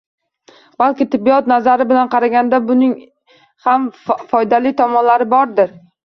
Balki tibbiyot nazari bilan qaraganda, buning ham foydali tomonlari bordir